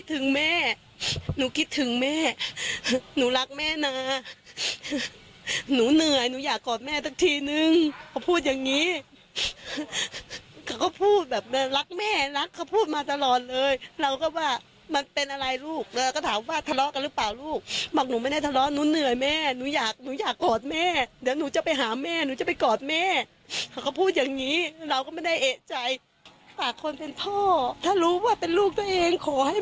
ถึงแม่หนูคิดถึงแม่หนูรักแม่นะหนูเหนื่อยหนูอยากกอดแม่สักทีนึงเขาพูดอย่างนี้เขาก็พูดแบบเลยรักแม่รักเขาพูดมาตลอดเลยเราก็ว่ามันเป็นอะไรลูกเราก็ถามว่าทะเลาะกันหรือเปล่าลูกบอกหนูไม่ได้ทะเลาะหนูเหนื่อยแม่หนูอยากหนูอยากกอดแม่เดี๋ยวหนูจะไปหาแม่หนูจะไปกอดแม่เขาก็พูดอย่างนี้เราก็ไม่ได้เอกใจฝากคนเป็นพ่อถ้ารู้ว่าเป็นลูกตัวเองขอให้